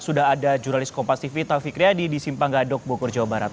sudah ada jurnalis kompas tv taufik riyadi di simpang gadok bogor jawa barat